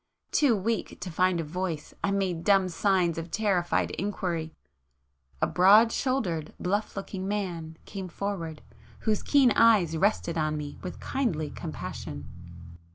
Too weak to find a voice I made dumb signs of terrified inquiry, ... a broad shouldered bluff looking man came forward, whose keen eyes rested on me with kindly compassion.